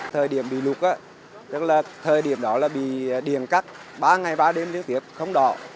thời điểm bị lục thời điểm đó bị điền cắt ba ngày ba đêm liên tiếp không đọ